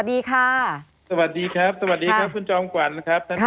สวัสดีครับสวัสดีครับคุณจอมกว่านครับ